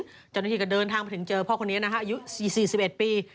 เจ้าหน้าที่ก็เดินทางไปถึงเจอพ่อคนนี้นะฮะอายุ๔๑ปี